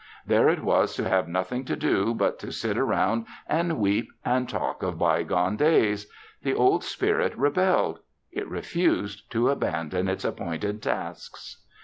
There it was to have nothing to do but to sit around and weep and talk of bygone days. The Old Spirit rebelled. It refused to abandon its appointed tasks.